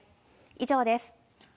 以上です。